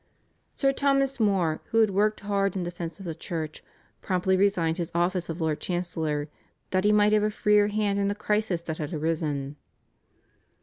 Sir Thomas More, who had worked hard in defence of the Church, promptly resigned his office of Lord Chancellor that he might have a freer hand in the crisis that had arisen.